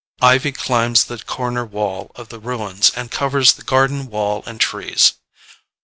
Ivy climbs the corner wall of the ruins and covers garden wall and trees.